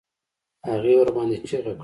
هغې ورباندې چيغه کړه.